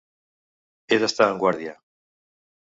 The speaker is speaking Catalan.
He d'estar en guàrdia!